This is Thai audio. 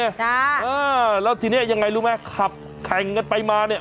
ใช่เออแล้วทีนี้ยังไงรู้ไหมขับแข่งกันไปมาเนี่ย